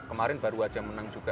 kemarin baru aja menang juga empat satu